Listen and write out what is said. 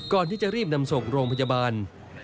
ก่อนที่จะรีบนำส่งโรงพยาบาล